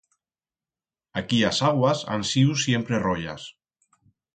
Aquí as aguas han siu siempre royas.